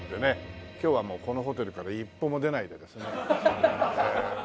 今日はもうこのホテルから一歩も出ないでですね。